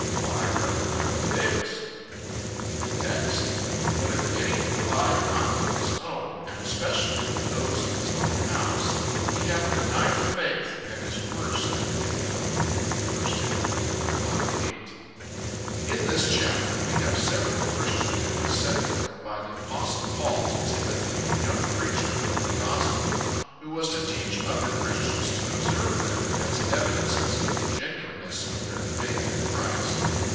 BY REV. NOAH DAVIS TEXT. "But if any provide not for his own, and especially for those of his own house, he hath denied the faith, and is worse than an infidel." 1 Tim. 5:8. In this chapter, we have several christian duties set forth by the apostle Paul, to Timothy, a young preacher of the gospel, who was to teach other christians to observe them, as evidences of the genuineness of their faith in Christ.